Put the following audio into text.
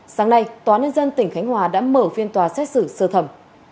sáng nay tòa nhân dân tỉnh khánh hòa đã mở phiên tòa xét xử sơ thẩm